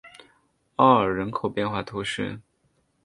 奥尔人口变化图示